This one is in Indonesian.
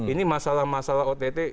ini masalah masalah ott